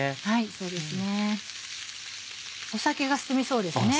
そうですね。